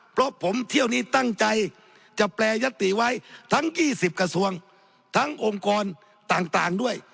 เพราะผมเที่ยวนี้ตั้งใจจะแปรยติไว้ทั้ง๒๐กระทรวงทั้งองค์กรต่างด้วย